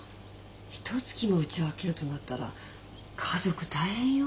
ひとつきもウチを空けるとなったら家族大変よ。